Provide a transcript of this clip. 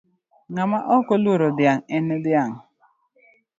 Ng'ama ok oluoro dhiang' en dhiang'.